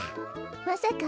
まさか。